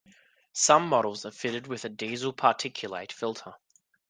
Some models are fitted with a diesel particulate filter.